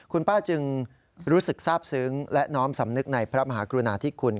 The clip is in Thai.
คุณป้าจึงรู้สึกทราบซึ้งและน้อมสำนึกในพระมหากรุณาธิคุณ